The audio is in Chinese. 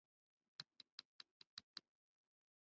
贝克的音乐生涯始于教堂合唱团。